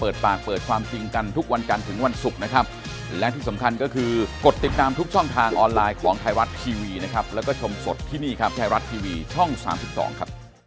ที่นี่ครับแทรรัตท์ทีวีช่อง๓๒ครับ